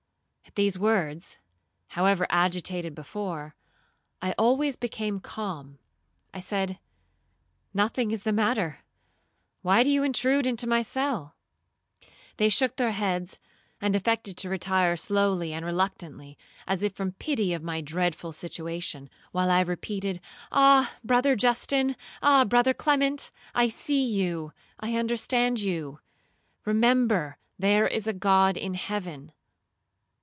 At these words, however agitated before, I always became calm. I said, 'Nothing is the matter,—why do you intrude into my cell?' They shook their heads, and affected to retire slowly and reluctantly, as if from pity of my dreadful situation, while I repeated, 'Ah, Brother Justin, ah Brother Clement, I see you, I understand you,—remember there is a God in heaven.'